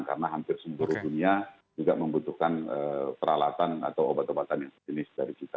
karena hampir seumur dunia juga membutuhkan peralatan atau obat obatan yang jenis dari kita